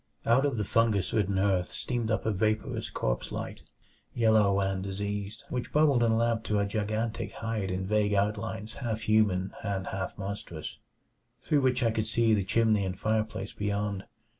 Out of the fungus ridden earth steamed up a vaporous corpse light, yellow and diseased, which bubbled and lapped to a gigantic height in vague outlines half human and half monstrous, through which I could see the chimney and fireplace beyond.